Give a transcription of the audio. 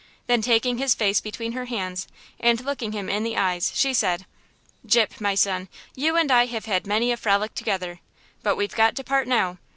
Then taking his face between her hands, and looking him in the eyes, she said: "Gyp, my son, you and I have had many a frolic together, but we've got to part now!